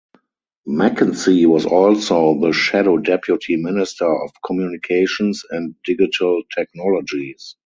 Mackenzie was also the Shadow Deputy Minister of Communications and Digital Technologies.